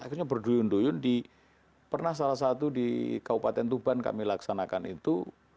akhirnya berduyun duyun di pernah salah satu di kabupaten tuban kami laksanakan itu